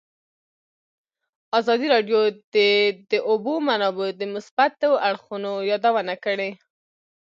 ازادي راډیو د د اوبو منابع د مثبتو اړخونو یادونه کړې.